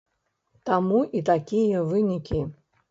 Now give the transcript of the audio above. Таму і такія вынікі.